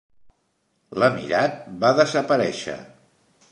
L'emirat va desaparèixer.